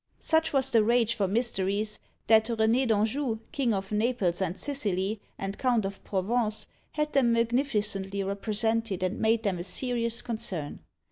Such was the rage for Mysteries, that René d'Anjou, king of Naples and Sicily, and Count of Provence, had them magnificently represented and made them a serious concern.